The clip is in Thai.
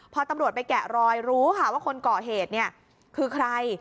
พอตำรวจไปแกะรอยรู้ค่ะว่าคนก่อเหตุเนี่ยคือใคร